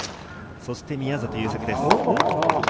そして宮里優作です。